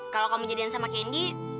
kalau kamu jadian sama kenji